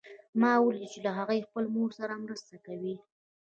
ما ولیدل چې هغوی خپل مور سره مرسته کوي